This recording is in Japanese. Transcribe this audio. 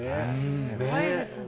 すごいですね。